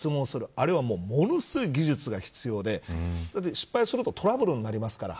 あれは、ものすごい技術が必要でだって失敗するとトラブルになりますから。